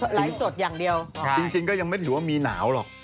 ไลฟ์สดอย่างเดียวจริงก็ยังไม่ถือว่ามีหนาวหรอก